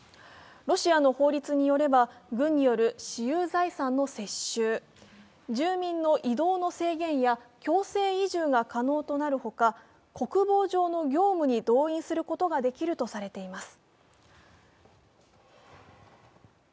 ロシアの法律によれば、軍による私有財産の接収、住民の移動の制限や強制移住が可能となるほか国防上の業務に動員することができるとされています。